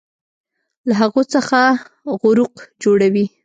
له هغو څخه غروق جوړوي